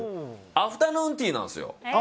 アフタヌーンティーなんです。